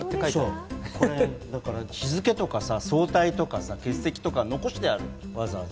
日付とか早退とか欠席とか残してある、わざわざ。